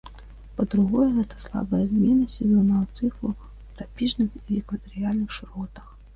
Па-другое, гэта слабыя змены сезоннага цыклу ў трапічных і экватарыяльных шыротах.